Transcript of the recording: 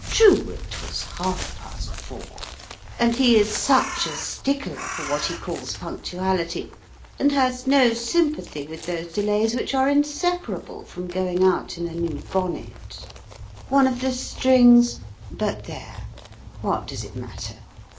True, it was half past four, and he is such a stickler for what he calls punctuality, and has no sympathy with those delays which are inseparable from going out in a new bonnet. One of the strings but there, what does it matter?